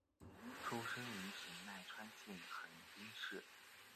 出生于神奈川县横滨市。